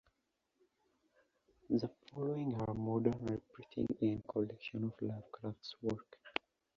The following are modern reprintings and collections of Lovecraft's work.